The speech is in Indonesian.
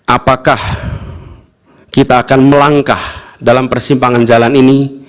apakah kita akan melangkah dalam persimpangan jalan ini